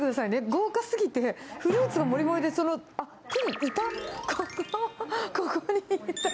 豪華すぎて、フルーツがもりもりで、あっ、プリン、いた！